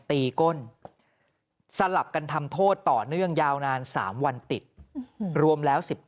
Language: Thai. ก้นสลับกันทำโทษต่อเนื่องยาวนาน๓วันติดรวมแล้ว๑๙